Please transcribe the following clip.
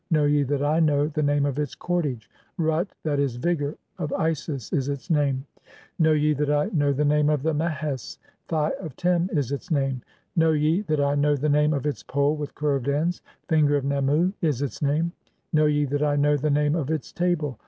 Know ye that I know (4) 'the name of its cordage? '■Rut (J. e., Vigour) of Isis' [is its name]. 'Know ye that I know the name of the (5) mehes'i 'Thigh of 'Tem' [is its name]. Know ye that I know the name of its pole 'with curved ends? 'Finger of Nemu' [is its name]. (6) Know ye 'that I know the name of its table